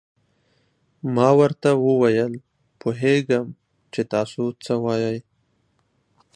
ما ورته وویل: پوهېږم چې تاسو څه وایئ.